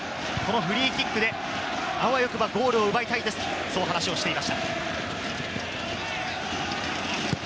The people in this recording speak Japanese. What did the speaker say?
フリーキックであわよくばゴールを奪いたいですと話をしていました。